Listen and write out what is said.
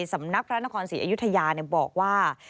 สำนักพระนครศรีอยุธยาบอกว่า